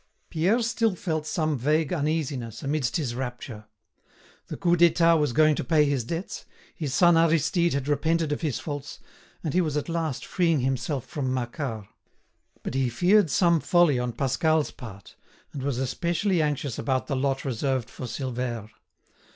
Pierre still felt some vague uneasiness amidst his rapture. The Coup d'État was going to pay his debts, his son Aristide had repented of his faults, and he was at last freeing himself from Macquart; but he feared some folly on Pascal's part, and was especially anxious about the lot reserved for Silvère.